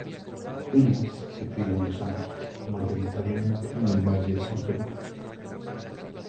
Williams se crió en Los Ángeles, mayoritariamente en el Valle de San Fernando.